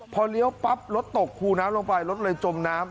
พอเลี้ยวปั๊บรถตกคูน้ำลงไปรถเลยจมน้ำ